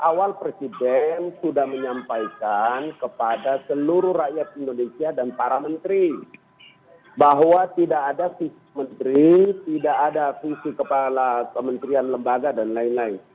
awal presiden sudah menyampaikan kepada seluruh rakyat indonesia dan para menteri bahwa tidak ada visi menteri tidak ada visi kepala kementerian lembaga dan lain lain